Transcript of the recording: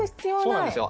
そうなんですよ。